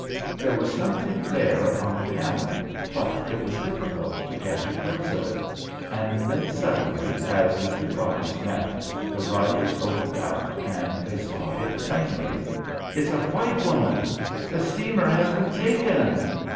There was something there upon a camel, but it was difficult to catch a glimpse of it. And then suddenly, as the two bodies met, the riders opened out, and they saw it plainly. "It's a white woman!" "The steamer has been taken!"